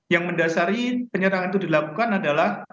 yang mendasari penyerangan itu dilakukan adalah